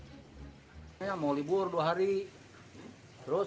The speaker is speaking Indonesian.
saya mau libur dua hari